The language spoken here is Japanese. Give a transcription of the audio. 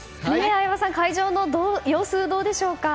相葉さん会場の様子、どうですか。